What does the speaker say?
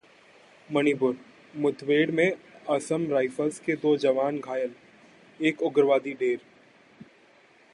मणिपुर: मुठभेड़ में असम राइफल्स के दो जवान घायल, एक उग्रवादी ढेर